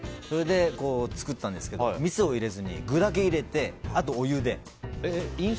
それで、作ったんですけどみそを入れずに具だけ入れてあとはお湯で。